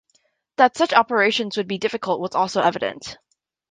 That such operations would be difficult was also evident.